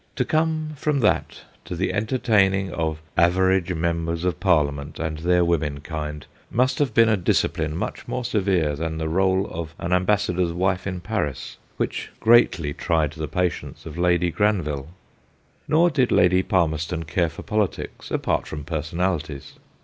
To come from that to the enter taining of average Members of Parliament and their womenkind must have been a discipline much more severe than the r61e of an ambassador's wife in Paris, which greatly tried the patience of Lady Granville. Nor did Lady Palmerston care for politics, apart from personalities.